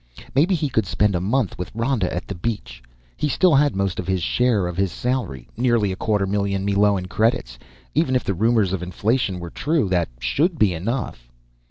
Maybe he could spend a month with Ronda at a beach. He still had most of his share of his salary nearly a quarter million Meloan credits; even if the rumors of inflation were true, that should be enough.